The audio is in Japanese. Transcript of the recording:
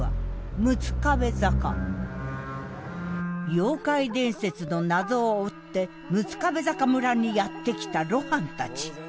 妖怪伝説の謎を追って六壁坂村にやって来た露伴たち。